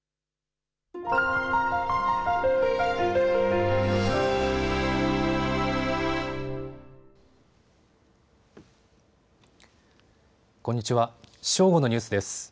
正午のニュースです。